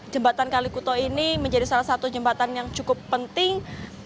jembatan kalikuto ini menjadi salah satu jembatan yang cukup penting